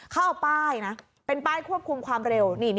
เขาเอาป้ายนะเป็นป้ายควบคุมความเร็ว